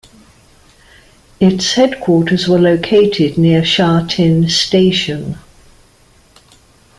Its headquarters were located near Sha Tin Station.